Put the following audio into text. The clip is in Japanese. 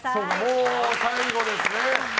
もう最後ですね。